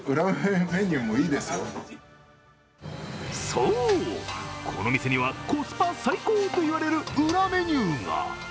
そう、この店にはコスパ最高と言われる裏メニューが。